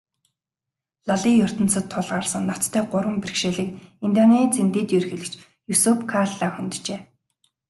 Лалын ертөнцөд тулгарсан ноцтой гурван бэрхшээлийг Индонезийн дэд ерөнхийлөгч Юсуф Калла хөнджээ.